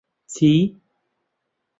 چی؟